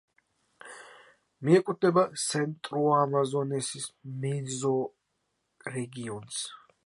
მიეკუთვნება სენტრუ-ამაზონესის მეზორეგიონს.